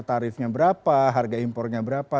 tarifnya berapa harga impornya berapa